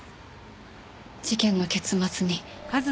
事件の結末に。